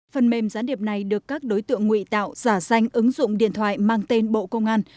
phần mềm gián điệp này được các đối tượng nguy tạo giả danh ứng dụng điện thoại mang tên bộ công an